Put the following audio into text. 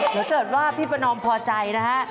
หรือเกิดว่าพี่ประนอมพอใจนะฮะ